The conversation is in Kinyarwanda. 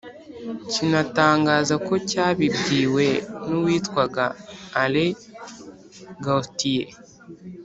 kinatangaza ko cyabibwiwe n'uwitwa alain gauthier,